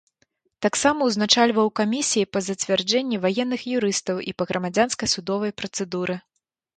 Таксама ўзначальваў камісіі па зацвярджэнні ваенных юрыстаў і па грамадзянскай судовай працэдуры.